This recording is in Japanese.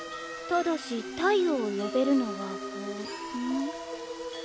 「ただし太陽を呼べるのは本」。